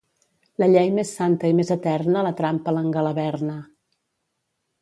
La llei més santa i més eterna la trampa l'engalaverna.